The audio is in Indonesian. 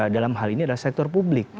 dalam hal ini adalah sektor publik